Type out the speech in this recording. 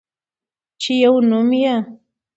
چې يو نوم يې